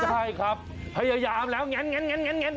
ใช่ครับพยายามแล้วแงน